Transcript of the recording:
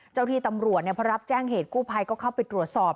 เจ้าที่ตำรวจพอรับแจ้งเหตุกู้ภัยก็เข้าไปตรวจสอบ